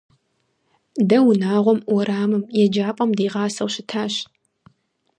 Дэ унагъуэм, уэрамым, еджапӏэм дигъасэу щытащ.